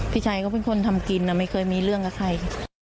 พี่ชัยก็เป็นคนทำกินไม่เคยมีเรื่องกับใคร